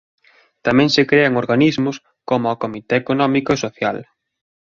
Tamén se crean organismos coma o Comité económico e Social.